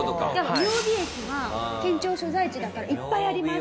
雅美駅は県庁所在地だからいっぱいあります。